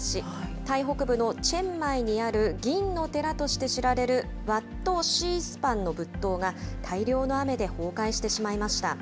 タイ北部のチェンマイにある銀の寺として知られるワット・シースパンの仏塔が、大量の雨で崩壊してしまいました。